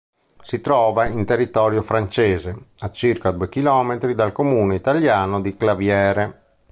Si trova in territorio francese, a circa due chilometri dal comune italiano di Claviere.